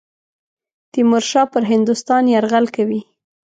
تیمورشاه پر هندوستان یرغل کوي.